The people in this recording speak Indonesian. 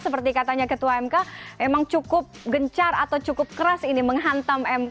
seperti katanya ketua mk memang cukup gencar atau cukup keras ini menghantam mk